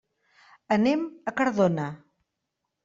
Anem a Cardona.